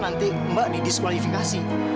nanti mbak didiskualifikasi